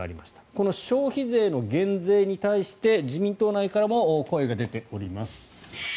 この消費税の減税に対して自民党内からも声が出ております。